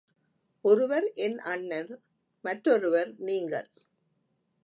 ஒருவர் என் அண்ணன், மற்றொருவர், நீங்கள்.